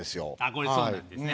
これそうなんですね。